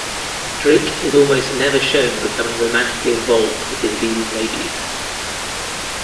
Drake is almost never shown becoming romantically involved with his leading ladies.